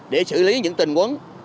để xử lý những tình huống